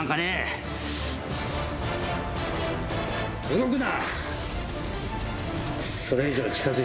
動くな！